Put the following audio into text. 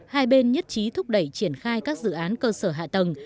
hai bên nhất trí thúc đẩy triển khai các dự án cơ sở hạ tầng